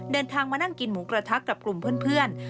เดินทางมานั่งกินหมูกระทะกับกลุ่มเพื่อน